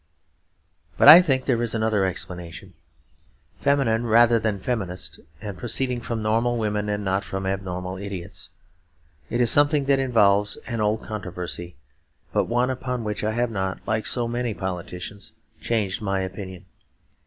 But I think there is another explanation, feminine rather than feminist, and proceeding from normal women and not from abnormal idiots. It is something that involves an old controversy, but one upon which I have not, like so many politicians, changed my opinion.